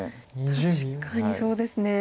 確かにそうですね。